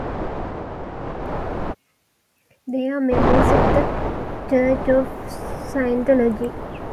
They are members of the Church of Scientology.